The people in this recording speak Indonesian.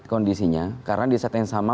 kondisinya karena disatakan sama